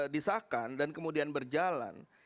disahkan dan kemudian berjalan